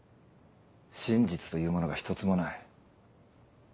真実というものが一つもない。